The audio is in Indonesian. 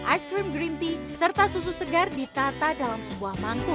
ice cream green tea serta susu segar ditata dalam sebuah mangkuk